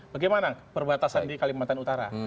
bagaimana perbatasan di kalimantan utara